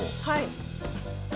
はい。